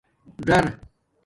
ژر